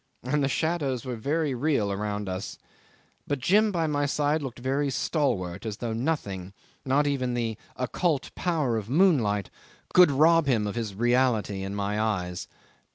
And the shadows were very real around us, but Jim by my side looked very stalwart, as though nothing not even the occult power of moonlight could rob him of his reality in my eyes.